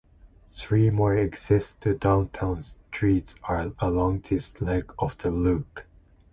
Three more exits to downtown streets are along this leg of the loop.